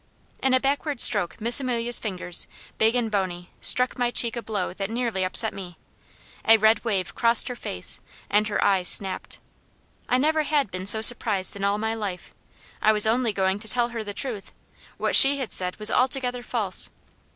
In a backward stroke Miss Amelia's fingers, big and bony, struck my cheek a blow that nearly upset me. A red wave crossed her face, and her eyes snapped. I never had been so surprised in all my life. I was only going to tell her the truth. What she had said was altogether false.